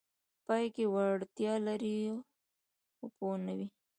پای کې وړتیا لري خو پوه نه وي: